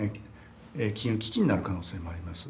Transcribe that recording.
金融危機になる可能性もあります。